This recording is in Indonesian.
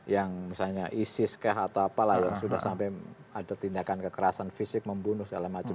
yang misalnya isis kah atau apalah yang sudah sampai ada tindakan kekerasan fisik membunuh segala macam